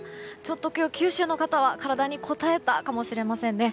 今日、九州の方は体にこたえたかもしれませんね。